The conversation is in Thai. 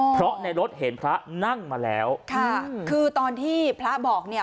เพราะในรถเห็นพระนั่งมาแล้วค่ะคือตอนที่พระบอกเนี่ย